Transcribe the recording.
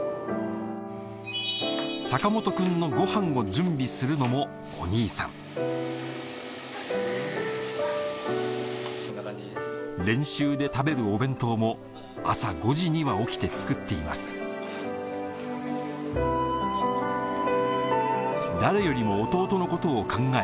坂本くんのごはんを準備するのもお兄さん練習で食べるお弁当も朝５時には起きて作っています誰よりも弟のことを考え